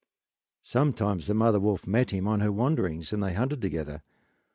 Sometimes the mother wolf met him on her wanderings and they hunted together.